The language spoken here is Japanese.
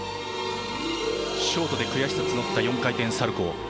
ショートで悔しさ募った４回転サルコー。